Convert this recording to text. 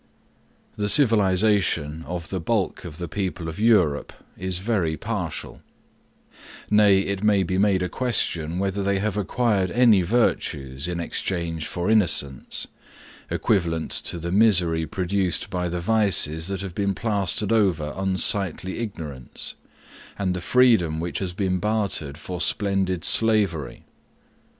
The civilization of the bulk of the people of Europe, is very partial; nay, it may be made a question, whether they have acquired any virtues in exchange for innocence, equivalent to the misery produced by the vices that have been plastered over unsightly ignorance, and the freedom which has been bartered for splendid slavery.